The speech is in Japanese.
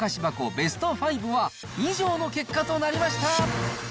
ベスト５は、以上の結果となりました。